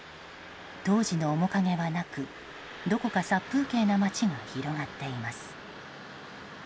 当時の面影はなくどこか殺風景な街が広がっています。